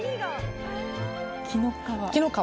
紀の川。